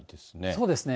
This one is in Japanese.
そうですね。